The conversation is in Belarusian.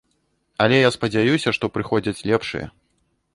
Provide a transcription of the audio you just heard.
Але я спадзяюся, што прыходзяць лепшыя.